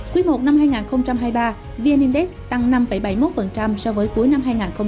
quý i năm hai nghìn hai mươi ba vn index tăng năm bảy mươi một so với cuối năm hai nghìn hai mươi hai